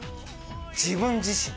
自分自身。